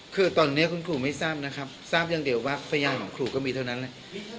คือตอนนี้คุณครูไม่ทราบนะครับทราบอย่างเดียวว่าพยานของครูก็มีเท่านั้นแหละ